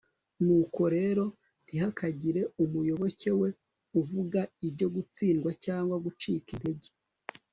nuko rero, ntihakagire umuyoboke we uvuga ibyo gutsindwa cyangwa gucika integer